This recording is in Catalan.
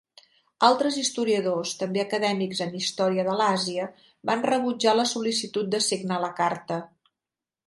Altres historiadors, també acadèmics en història de l'Àsia, van rebutjar la sol·licitud de signar la carta.